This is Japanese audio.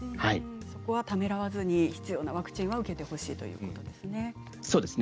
そこは、ためらわずに必要なワクチンは受けてほしいということですね。